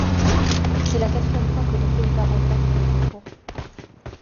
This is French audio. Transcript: C'est la quatrième fois que les Pays-Bas remportent le concours.